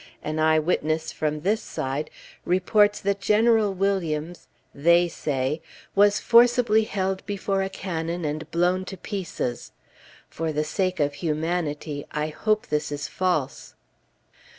An eye witness, from this side, reports that General Williams, "they say," was forcibly held before a cannon and blown to pieces. For the sake of humanity, I hope this is false.